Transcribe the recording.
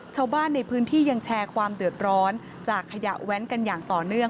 ชาวบ้านในพื้นที่ยังแชร์ความเดือดร้อนจากขยะแว้นกันอย่างต่อเนื่อง